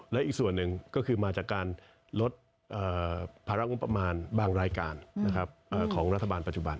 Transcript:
และอีกส่วนหนึ่งก็คือมาจากการลดภาระงบประมาณบางรายการของรัฐบาลปัจจุบัน